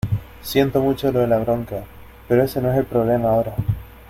siento mucho lo de la bronca, pero ese no es el problema ahora.